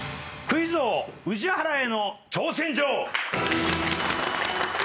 クイズ王宇治原への挑戦状！